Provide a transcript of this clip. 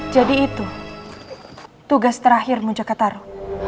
jadi itu tugas terakhirmu jakartaru